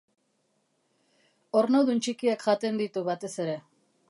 Ornodun txikiak jaten ditu, batez ere.